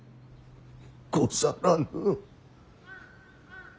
ござらぬ。